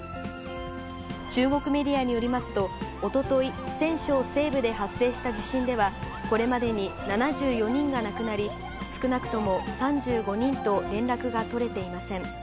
中国メディアによりますと、おととい、四川省西部で発生した地震では、これまでに７４人が亡くなり、少なくとも３５人と連絡が取れていません。